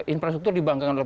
infrastruktur dibanggangan oleh